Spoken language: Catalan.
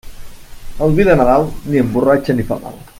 El vi de Nadal ni emborratxa ni fa mal.